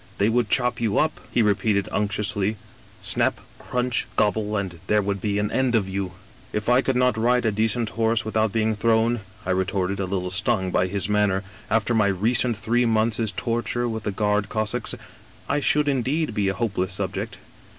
They would chop you up,' he repeated unctuously, ' snap, crunch, gobble, and there would be an end of you !'"* If I could not ride a decent horse without being thrown,' I retorted, a little stung by his manner, 'after my recent three months' torture with the Guard Cossacks, I should indeed be a hopeless subject.